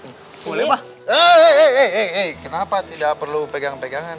hei hei hei kenapa tidak perlu pegang pegangan